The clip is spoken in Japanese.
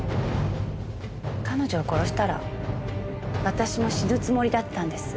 彼女を殺したら私も死ぬつもりだったんです。